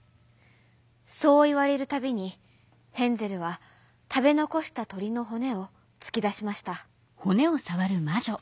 そういわれるたびにヘンゼルはたべのこしたとりのほねをつきだしました。